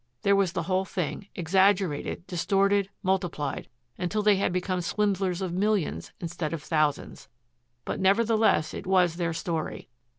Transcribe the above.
There was the whole thing, exaggerated, distorted, multiplied, until they had become swindlers of millions instead of thousands. But nevertheless it was their story.